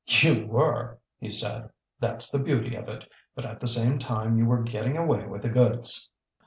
"You were," he said. "That's the beauty of it. But at the same time you were getting away with the goods!"